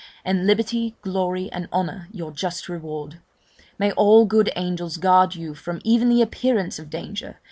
and liberty, glory, and honour your just reward! may all good angels guard you from even the appearance of danger!